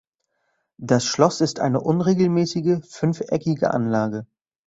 Das Schloss ist eine unregelmäßige, fünfeckige Anlage.